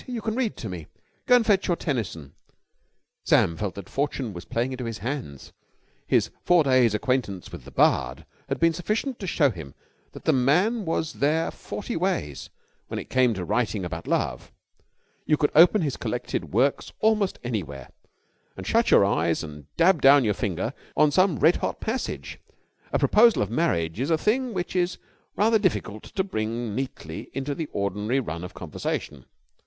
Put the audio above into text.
You can read to me. Go and fetch your Tennyson." Sam felt that fortune was playing into his hands. His four days' acquaintance with the bard had been sufficient to show him that the man was there forty ways when it came to writing about love. You could open his collected works almost anywhere and shut your eyes and dab down your finger on some red hot passage. A proposal of marriage is a thing which it is rather difficult to bring neatly into the ordinary run of conversation.